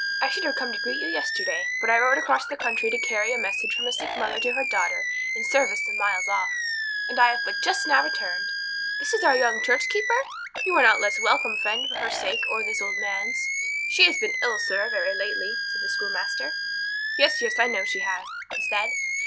I should have come to greet you yesterday, but I rode across the country to carry a message from a sick mother to her daughter in service some miles off, and have but just now returned. This is our young church keeper? You are not the less welcome, friend, for her sake or for this old man's." "She has been ill, sir, very lately," said the schoolmaster. "Yes, yes; I know she has," he said.